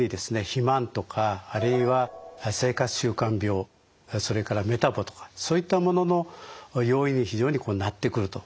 肥満とかあるいは生活習慣病それからメタボとかそういったものの要因に非常になってくると。